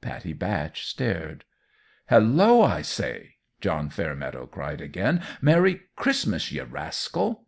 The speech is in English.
Pattie Batch stared. "Hello, I say!" John Fairmeadow cried, again. "Merry Christmas, ye rascal!"